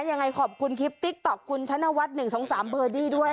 ยังไงขอบคุณคลิปติ๊กต๊อกคุณธนวัฒน์๑๒๓เบอร์ดี้ด้วย